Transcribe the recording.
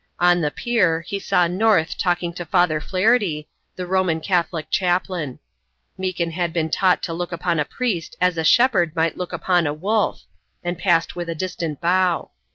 On the pier he saw North talking to Father Flaherty, the Roman Catholic chaplain. Meekin had been taught to look upon a priest as a shepherd might look upon a wolf, and passed with a distant bow.